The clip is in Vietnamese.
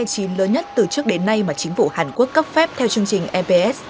đây là số lượng lao động e chín lớn nhất từ trước đến nay mà chính phủ hàn quốc cấp phép theo chương trình eps